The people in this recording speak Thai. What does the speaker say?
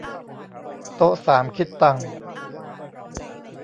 โต๊ะสามคิดตังค์